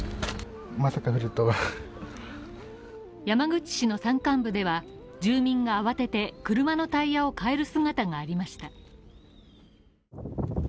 山口市の山間部では住民が慌てて車のタイヤを替える姿がありました。